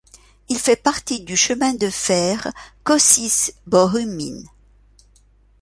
Elle fait partie du chemin de fer Košice - Bohumín.